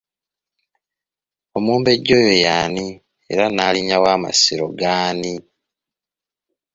Omumbejja oyo y’ani era Nnaalinya wa Masiro g’ani?